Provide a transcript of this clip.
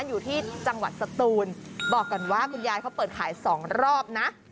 อยู่ที่จังหวัดสตูนบอกก่อนว่าคุณยายเขาเปิดขายสองรอบนะ